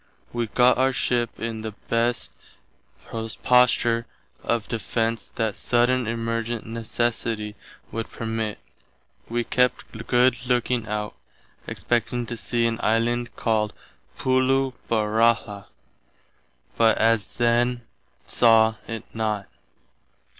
Wee gott our ship in the best posture of defence that suddain emergent necessity would permitt. Wee kept good looking out, expecting to see an Island called Pullo Verello [Pulo Barahla], but as then saw it not.